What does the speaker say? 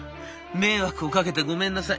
迷惑をかけてごめんなさい。